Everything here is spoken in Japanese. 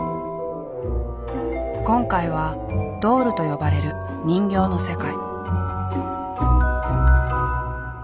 今回は「ドール」と呼ばれる人形の世界。